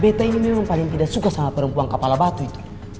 beta ini memang paling tidak suka sama perempuan kepala batu itu